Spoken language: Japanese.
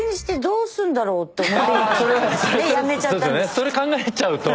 それ考えちゃうと。